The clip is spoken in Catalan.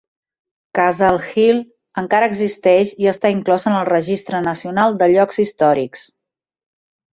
Castle Hill encara existeix i està inclòs en el Registre Nacional de Llocs Històrics.